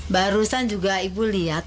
barusan juga ibu lihat